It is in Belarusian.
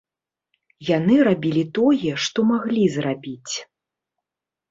Яны рабілі тое, што маглі зрабіць.